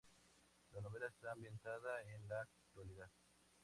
La novela está ambientada en la actualidad.